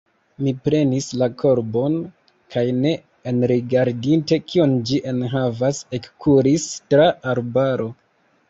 Mi prenis la korbon kaj ne enrigardinte, kion ĝi enhavas, ekkuris tra arbaro.